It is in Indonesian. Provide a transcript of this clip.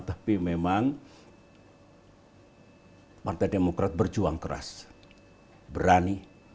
tapi memang partai demokrat berjuang keras berani